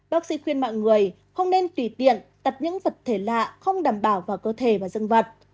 bác sĩ khuyên mọi người không nên tùy tiện tật những vật thể lạ không đảm bảo vào cơ thể và dân vật